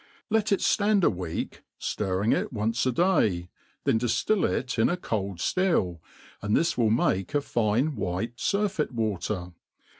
Let it ftand a week, ftirring it once a day, then diftil it in i cold ftill, and this will make a fine white furfeit water.